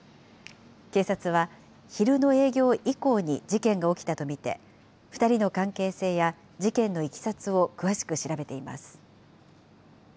警察は昼の営業以降に事件が起きたと見て、２人の関係性や事件のいきさつを詳しく調べています。